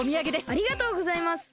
ありがとうございます！